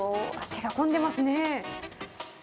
手が込んでますね。